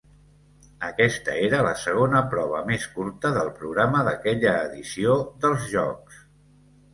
Aquesta era la segona prova més curta del programa d'aquella edició dels Jocs.